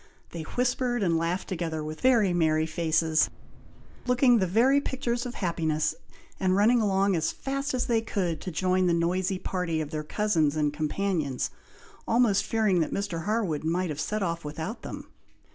They whispered and laughed together with very merry faces, looking the very pictures of happiness, and running along as fast as they could to join the noisy party of their cousins and companions, almost fearing that Mr. Harwood might have set off without them.